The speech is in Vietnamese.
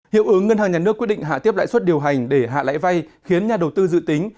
hiệu ứng ngân hàng nhà nước quyết định hạ tiếp lãi suất điều hành để hạ lãi vay khiến nhà đầu tư dự tính